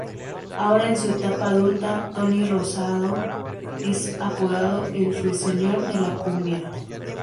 Ahora, en su etapa adulta, Tony Rosado es apodado "El ruiseñor de la cumbia".